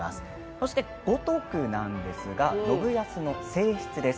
そして五徳なんですが信康の正室です。